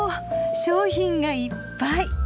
商品がいっぱい！